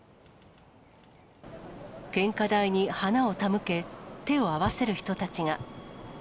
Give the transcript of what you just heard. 献花台に花を手向け、手を合わせる人たちが。